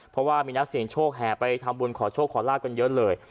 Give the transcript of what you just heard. เพราะว่ามีนักเสียงโชคแห่ไปทำบุญขอโชคขอลาบกันเยอะเลย